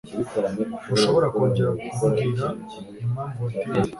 ntushobora kongera kumbwira impamvu watinze